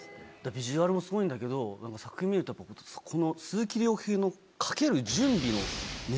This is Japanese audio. ビジュアルもスゴいんだけどなんか作品見るとそこの鈴木亮平のかける。